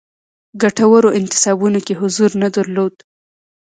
ګټورو انتصابونو کې حضور نه درلود.